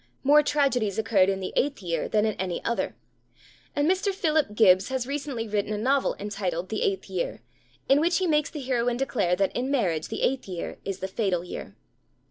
More tragedies occurred in the eighth year than in any other. And Mr. Philip Gibbs has recently written a novel entitled The Eighth Year, in which he makes the heroine declare that, in marriage, the eighth year is the fatal year.